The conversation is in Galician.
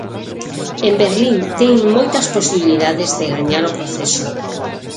En Berlín teñen moitas posibilidades de gañar o proceso.